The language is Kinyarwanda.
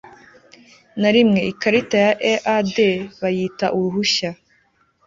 na rimwe ikarita ya EAD bayita uruhushya